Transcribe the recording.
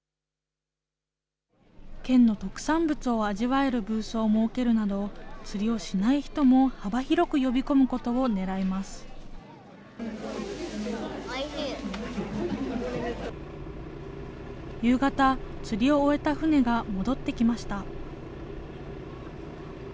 県の特産物を味わえるブースを設けるなど、釣りをしない人も幅広夕方、釣りを終えた船が戻ってきました。